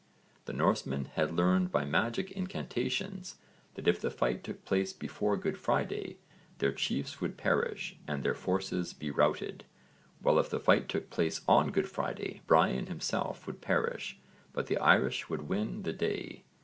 The Norsemen had learned by magic incantations that if the fight took place before Good Friday their chiefs would perish and their forces be routed, while if the fight took place on Good Friday Brian himself would perish but the Irish would win the day.